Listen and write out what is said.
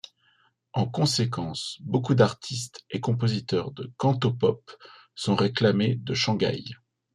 En conséquence, beaucoup d'artistes et compositeurs de cantopop sont réclamés de Shanghai.